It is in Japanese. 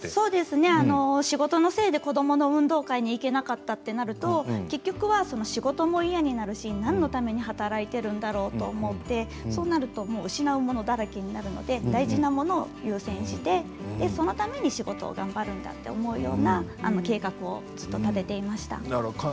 仕事のせいで子どもの運動会に行けなかったとなりますと結局は仕事も嫌になるし何のために働いているんだろうと思って、失うものだらけになってしまうので大事なものを優先してそのために仕事を頑張るというような計画をずっと立てていました。